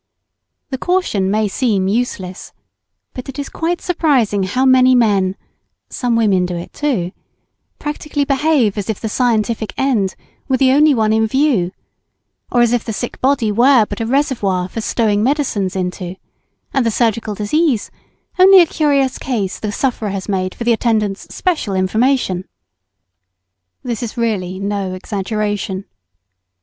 The caution may seem useless, but it is quite surprising how many men (some women do it too), practically behave as if the scientific end were the only one in view, or as if the sick body were but a reservoir for stowing medicines into, and the surgical disease only a curious case the sufferer has made for the attendant's special information. This is really no exaggeration.